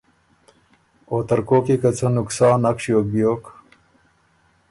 او ترکوک يې که څه نقصان نک ݭیوک بیوک